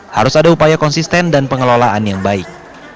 harus ada upaya konsisten dan pengelolaan yang baik